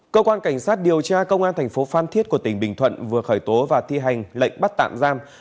cơ quan cảnh sát điều tra công an thành phố phan thiết của tỉnh bình thuận vừa khởi tố và thi hành lệnh bắt tạm giam